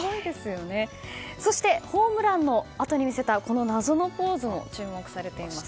ホームランのあとに見せた謎のポーズも注目されています。